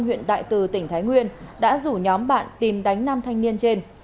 huyện đại từ tỉnh thái nguyên đã rủ nhóm bạn tìm đánh nam thanh niên trên